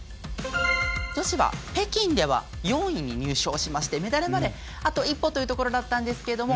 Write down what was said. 女子は北京では４位に入賞しましてメダルまであと一歩というところだったんですけれども。